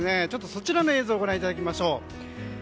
そちらの映像をご覧いただきましょう。